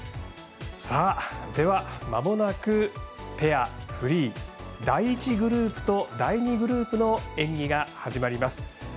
では、まもなくペアフリー、第１グループと第２グループの演技が始まります。